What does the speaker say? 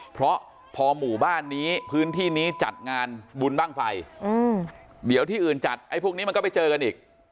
เพราะพอหมู่บ้านนี้พื้นที่นี้จัดงานบุญบ้างไฟเดี๋ยวที่อื่นจัดไอ้พวกนี้มันก็ไปเจอกันอีก